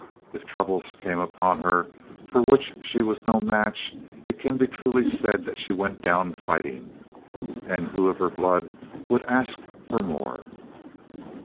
If troubles came upon her for which she was no match, it can be truly said that she went down fighting. And who of her blood would ask for more?